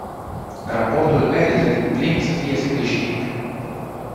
Raportul merită din plin să fie sprijinit.